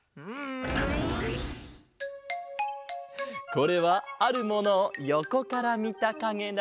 これはあるものをよこからみたかげだ。